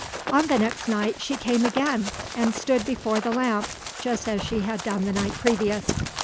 "On the next night she came again and stood before the lamp just as she had done the night previous.